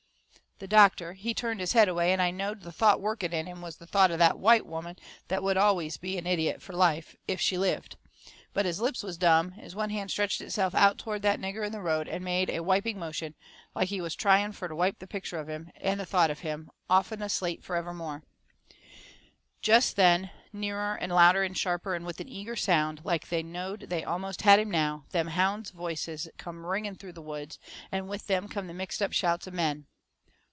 The doctor, he turned his head away, and I knowed the thought working in him was the thought of that white woman that would always be an idiot for life, if she lived. But his lips was dumb, and his one hand stretched itself out toward that nigger in the road and made a wiping motion, like he was trying fur to wipe the picture of him, and the thought of him, off'n a slate forevermore. Jest then, nearer and louder and sharper, and with an eager sound, like they knowed they almost had him now, them hounds' voices come ringing through the woods, and with them come the mixedup shouts of men.